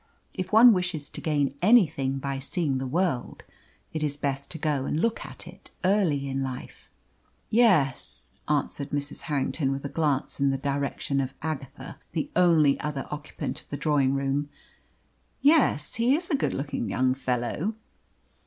If one wishes to gain anything by seeing the world, it is best to go and look at it early in life. "Yes," answered Mrs. Harrington, with a glance in the direction of Agatha, the only other occupant of the drawing room "yes; he is a good looking young fellow."